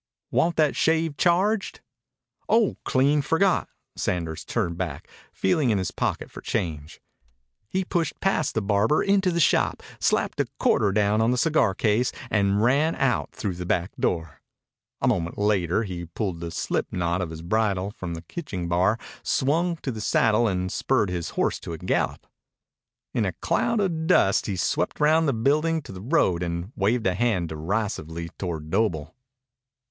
"Want that shave charged?" "Oh! Clean forgot." Sanders turned back, feeling in his pocket for change. He pushed past the barber into the shop, slapped a quarter down on the cigar case, and ran out through the back door. A moment later he pulled the slip knot of his bridle from the hitching bar, swung to the saddle and spurred his horse to a gallop. In a cloud of dust he swept round the building to the road and waved a hand derisively toward Doble.